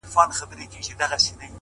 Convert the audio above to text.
• د درد پېټی دي را نیم کړه چي یې واخلم..